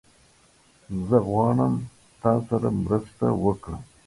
زه غواړم تاسره مرسته وکړم